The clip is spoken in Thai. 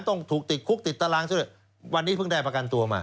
ต้องถูกติดคุกติดตารางซะด้วยวันนี้เพิ่งได้ประกันตัวมา